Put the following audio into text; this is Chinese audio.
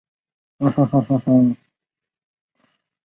黑盾梭长蝽为长蝽科梭长蝽属下的一个种。